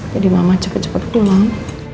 jadi mama cepet cepet pulang